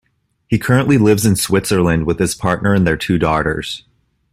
He currently lives in Switzerland with his partner and their two daughters.